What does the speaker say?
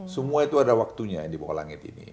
semua itu ada waktunya di bawah langit ini